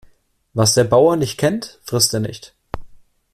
Was der Bauer nicht kennt, frisst er nicht.